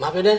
maap ya den